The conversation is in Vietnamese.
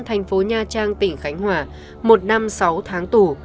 thành phố nha trang tỉnh khánh hòa một năm sáu tháng tù